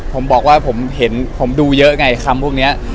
ผมบอกว่าผมเห็นผมดูเยอะไงคำพวกนี้